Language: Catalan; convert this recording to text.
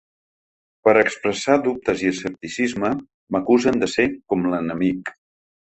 Per expressar dubtes i escepticisme, m’acusen de ser com l’enemic.